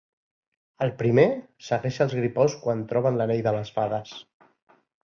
El primer segueix als gripaus quan troben l'anell de les fades.